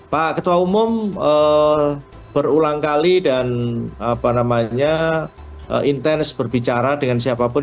pak ketua umum berulang kali dan intens berbicara dengan siapapun